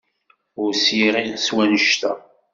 Ur sliɣ s wanect-a.